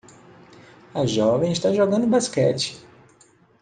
A jovem está jogando basquete.